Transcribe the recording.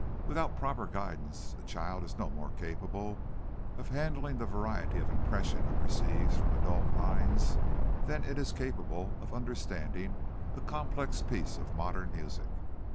Without proper guidance, a child is no more capable of handling the variety of impressions it receives from adult minds than it is capable of understanding a complex piece of modern music.